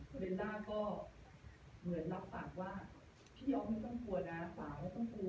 คุณเบนล่าก็เหมือนรับปากว่าพี่อ๊อฟไม่ต้องกลัวนะสาวไม่ต้องกลัว